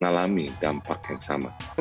ngalami dampak yang sama